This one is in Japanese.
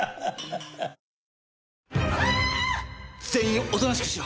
全員おとなしくしろ。